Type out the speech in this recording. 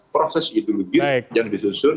proses ideologis yang disusun